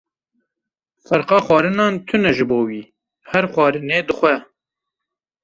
Ferqa xwarinan tune ji bo wî, her xwarinê dixwe.